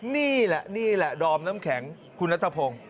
นี่แหละนี่แหละดอมน้ำแข็งคุณนัทพงศ์